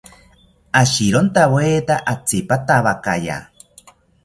Ashirontaweta atzipatawakaya